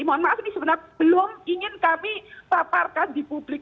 mohon maaf ini sebenarnya belum ingin kami paparkan di publik